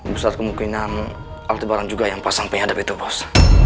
bisa kemungkinan aldebaran juga yang pasang penyadap itu bos